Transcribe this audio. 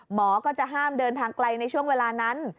หมอก็จะห้ามเดินทางไกลในช่วงเวลานั้น